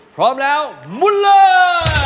พร้อมแล้วมุนเลย